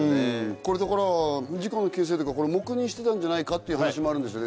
これだから事故の形成というか黙認してたんじゃないかっていう話もあるんですよね？